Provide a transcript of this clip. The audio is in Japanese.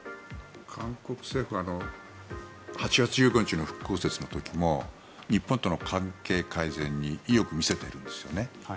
韓国政府は８月１５日の光復節の時も日本との関係改善に意欲を見せているんですね。